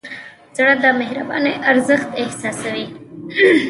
زړه د مهربانۍ ارزښت احساسوي.